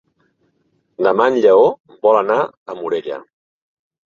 Demà en Lleó vol anar a Morella.